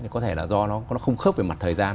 có thể là do nó không khớp về mặt thời gian